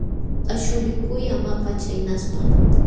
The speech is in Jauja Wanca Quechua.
Aśhulikuy ama chaynaspa.